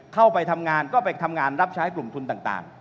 เข้าไปทำงานก็ไปทำงานรับใช้กลุ่มทุนต่าง